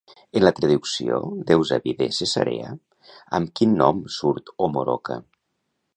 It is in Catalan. En la traducció d'Eusebi de Cesarea, amb quin nom surt Omoroca?